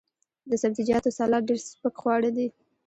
د سبزیجاتو سلاد ډیر سپک خواړه دي.